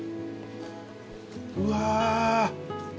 うわ。